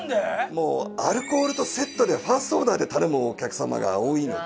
もうアルコールとセットでファーストオーダーで頼むお客様が多いので。